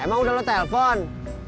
emang udah lu telepon